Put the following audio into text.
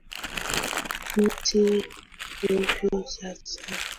miti hovyo hasa maeneo ya hifadhi matumizi mabaya ya irdhi na uongezekaji wa idadi